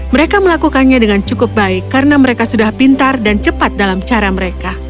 mereka melakukannya dengan cukup baik karena mereka sudah pintar dan cepat dalam cara mereka